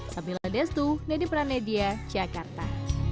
sampai jumpa lagi di pranedia jakarta